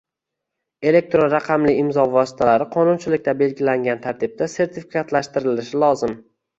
Elektron raqamli imzo vositalari qonunchilikda belgilangan tartibda sertifikatlashtirilishi lozim.